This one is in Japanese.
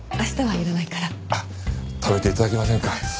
あっ食べて頂けませんか。